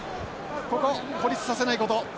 ここ孤立させないこと。